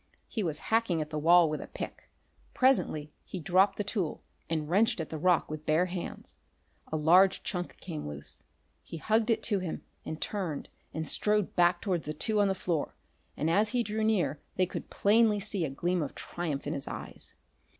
He was hacking at the wall with a pick. Presently he dropped the tool and wrenched at the rock with bare hands. A large chunk came loose. He hugged it to him and turned and strode back towards the two on the floor, and as he drew near they could plainly see a gleam of triumph in his eyes.